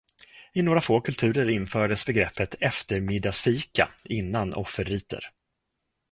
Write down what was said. I några få kulturer infördes begreppet eftermiddagsfika innan offerriter.